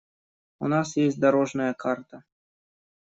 У нас есть дорожная карта.